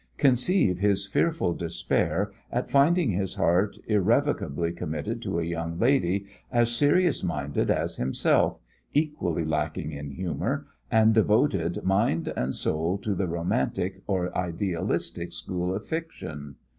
Conceive his fearful despair at finding his heart irrevocably committed to a young lady as serious minded as himself, equally lacking in humour, and devoted mind and soul to the romantic or idealistic school of fiction!